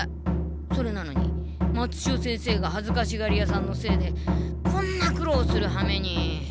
それなのに松千代先生がはずかしがりやさんのせいでこんなくろうするはめに。